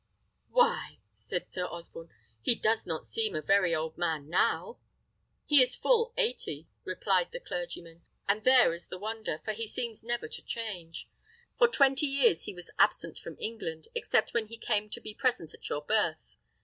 "Why," said Sir Osborne, "he does not seem a very old man now!" "He is full eighty," replied the clergyman; "and there is the wonder, for he seems never to change. For twenty years he was absent from England, except when he came to be present at your birth.